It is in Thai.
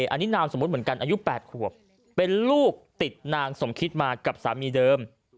อันนี้นามสมมุติเหมือนกันอายุ๘ขวบเป็นลูกติดนางสมคิดมากับสามีเดิม